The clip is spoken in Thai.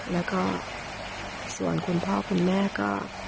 แล้วก็ส่วนคุณพ่อคุณแม่ก็